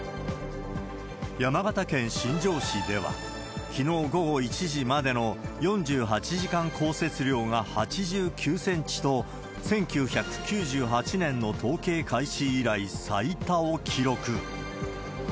山形県新庄市では、きのう午後１時までの４８時間降雪量が８９センチと、１９９８年の統計開始以来、最多を記録。